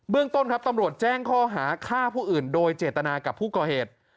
ต้นครับตำรวจแจ้งข้อหาฆ่าผู้อื่นโดยเจตนากับผู้ก่อเหตุ